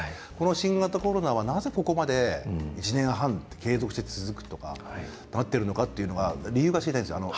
新型コロナはなぜ１年半継続して続くとかなっているのか理由が知りたいんです。